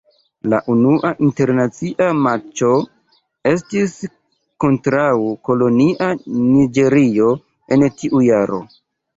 La unua internacia matĉo estis kontraŭ kolonia Niĝerio en tiu jaro.